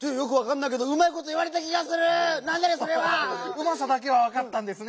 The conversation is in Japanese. うまさだけはわかったんですね。